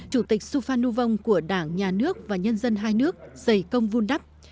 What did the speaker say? chủ tịch suphan nhu vong của đảng nhà nước và nhân dân hai nước dày công vun đắp